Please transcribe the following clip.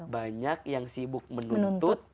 banyak yang sibuk menuntut